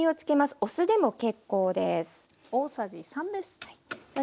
お酢でも結構です。